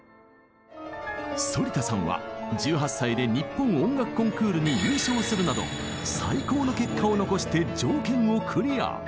反田さんは１８歳で日本音楽コンクールに優勝するなど最高の結果を残して条件をクリア。